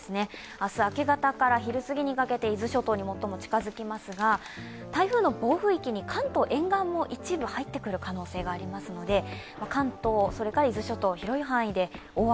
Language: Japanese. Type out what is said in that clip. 明日明け方から昼すぎにかけて伊豆諸島に最も近づきますが、台風の暴風域に関東の沿岸も一部入ってくる可能性がありますので関東、それから伊豆諸島、広い範囲で大雨